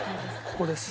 ここです。